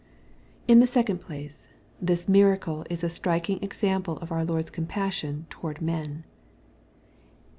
In the second place, this miracle is a striking eocamph of our Lord! 8 compassion toward men.